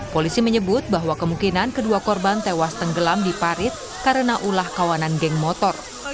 polisi menyebut bahwa kemungkinan kedua korban tewas tenggelam di parit karena ulah kawanan geng motor